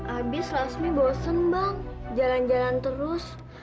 abis lasmi bosen bang jalan jalan terus